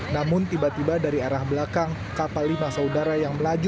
namun tiba tiba dari arah belakang kapal lima saudara yang melaju